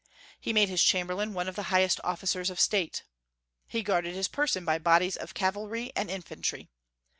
He made his chamberlain one of the highest officers of State. He guarded his person by bodies of cavalry and infantry.